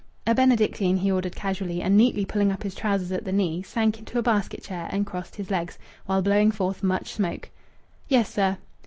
"A benedictine," he ordered casually, and, neatly pulling up his trousers at the knee, sank into a basket chair and crossed his legs, while blowing forth much smoke. "Yes, sir."